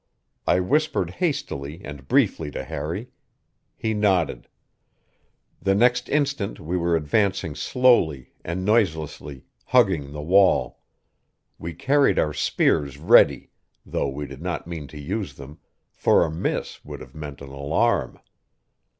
I whispered hastily and briefly to Harry. He nodded. The next instant we were advancing slowly and noiselessly, hugging the wall. We carried our spears ready, though we did not mean to use them, for a miss would have meant an alarm.